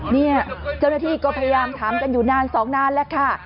เนี่ยเจ้าหน้าที่ก็พยายามถามกันอยู่นานสองนานแล้วค่ะ